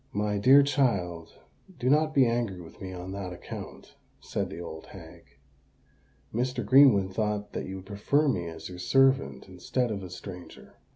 "My dear child, do not be angry with me on that account," said the old hag. "Mr. Greenwood thought that you would prefer me as your servant instead of a stranger."